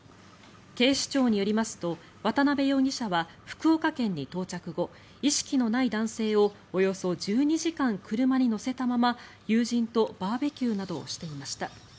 警視庁によりますと渡邊容疑者は福岡県に到着後意識のない男性をおよそ１２時間車に乗せたまま友人とバーベキューなどをしていました。